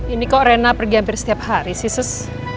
ini kok rena pergi hampir setiap hari sisus